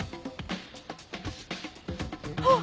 あっ！